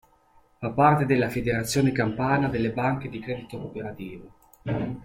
Fa parte della Federazione Campana delle Banche di Credito Cooperativo.